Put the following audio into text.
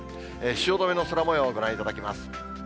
汐留の空もよう、ご覧いただきます。